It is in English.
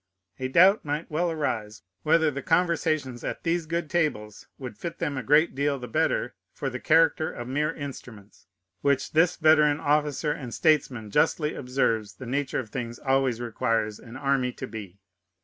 A doubt might well arise, whether the conversations at these good tables would fit them a great deal the better for the character of mere instruments, which this veteran officer and statesman justly observes the nature of things always requires an army to be.